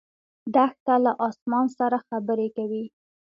دښته له اسمان سره خبرې کوي.